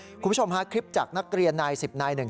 คุณผู้ชมฮะคลิปจากนักเรียนนาย๑๐นายหนึ่ง